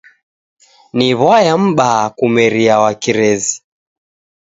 Ni w'aya m'baa kumeria wa kirezi!